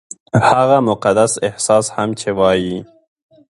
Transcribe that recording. هغه مقدس احساس هم چې وايي-